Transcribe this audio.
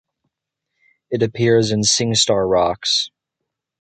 It appears in SingStar Rocks!